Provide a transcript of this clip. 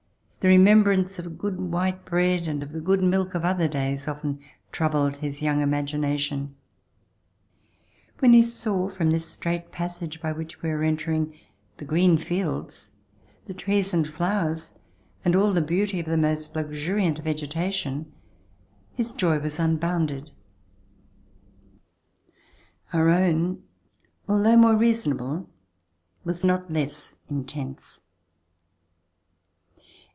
The remembrance of good white bread and of the good milk of other days often troubled his young imagination. When he saw from this straight passage by which we were entering, the green fields, the trees and flowers and all the beauty of the most luxuriant vegetation, his joy was unbounded.